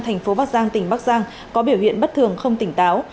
thành phố bắc giang tỉnh bắc giang có biểu hiện bất thường không tỉnh táo